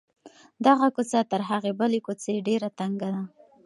دغه کوڅه تر هغې بلې کوڅې ډېره تنګه ده.